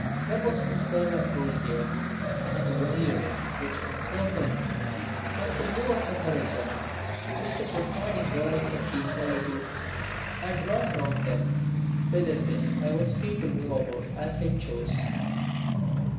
There was no servant rule here, and the only ring which encircled me was the blue of the horizon which the presiding goddess of these solitudes had drawn round them. Within this I was free to move about as I chose.